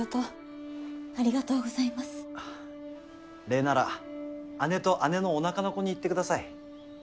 礼なら姉と姉のおなかの子に言ってください。